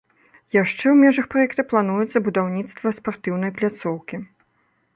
Яшчэ ў межах праекта плануецца будаўніцтва спартыўнай пляцоўкі.